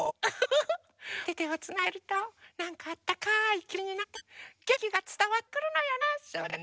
おててをつないでるとなんかあったかいきもちになってげんきがつたわってくるのよね。